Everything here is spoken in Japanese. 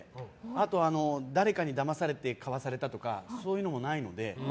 後、誰かにだまされて買わされたとかそういうのもないので。